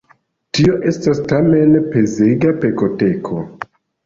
Tio estas tamen pezega pekoteko.